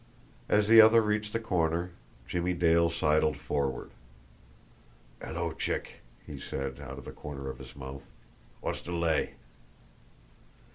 As the other reached the corner, Jimmie Dale sidled forward. "'Ello, Chick!" he said, out of the corner of his mouth. "Wot's de lay?"